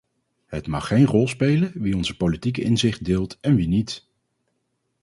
Het mag geen rol spelen wie onze politieke inzichten deelt en wie niet.